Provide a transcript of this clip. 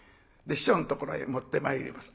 師匠のところへ持ってまいります。